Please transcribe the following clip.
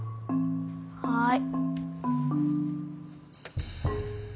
はい。